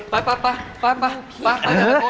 ไปอีกครั้ง